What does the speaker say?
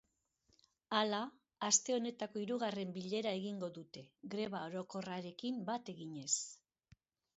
Hala, aste honetako hirugarren bilera egingo dute, greba orokorrarekin bat eginez.